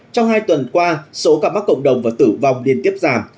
trong hai tuần qua số gặp mắt cộng đồng và tử vong liên tiếp giảm